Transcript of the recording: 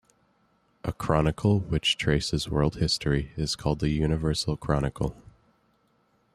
A chronicle which traces world history is called a universal chronicle.